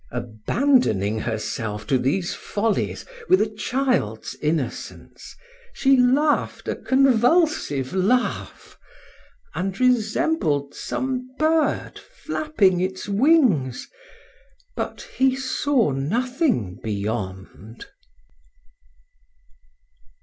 Abandoning herself to these follies with a child's innocence, she laughed a convulsive laugh, and resembled some bird flapping its wings; but he saw nothing beyond.